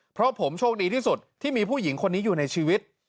เพราะผมโชคดีที่สุดที่มีผู้หญิงคนนี้อยู่ในชีวิต